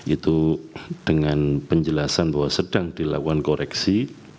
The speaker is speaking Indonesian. itu dengan penjelasan bahwa sedang dilakukan koreksi